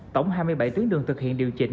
tổng hai mươi bảy tuyến đường thực hiện điều chỉnh